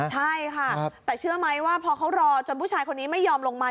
ใช่ค่ะแต่เชื่อไหมว่าพอเขารอจนผู้ชายคนนี้ไม่ยอมลงมา